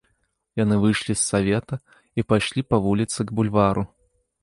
Яны выйшлі з савета і пайшлі па вуліцы к бульвару.